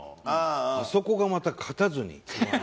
あそこがまた勝たずに終わる。